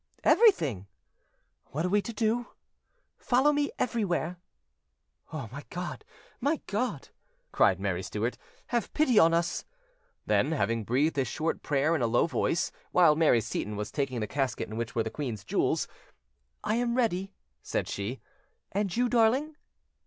"Everything." "What are we to do?" "Follow me everywhere." "My God! my God!" cried Mary Stuart, "have pity on us!" Then, having breathed a short prayer in a low voice, while Mary Seyton was taking the casket in which were the queen's jewels, "I am ready," said she: "and you, darling?"